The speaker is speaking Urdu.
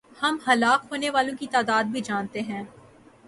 ہم ہلاک ہونے والوں کی تعداد بھی جانتے ہیں۔